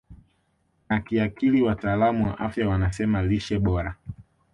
na kiakili Wataalam wa afya wanasema lishe bora